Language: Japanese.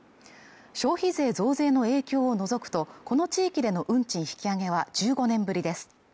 消費税増税の影響を除くとこの地域での運賃引き上げは１５年ぶりです